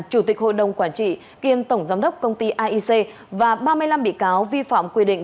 chủ tịch hội đồng quản trị kiêm tổng giám đốc công ty aic và ba mươi năm bị cáo vi phạm quy định